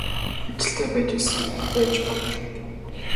Ажилтай байж байсан болно шүү дээ.